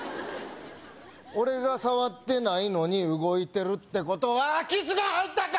俺が触ってないのに動いてるってことは空き巣が入ったんか！